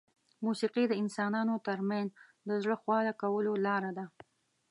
موسیقي د انسانانو ترمنځ د زړه خواله کولو لاره ده.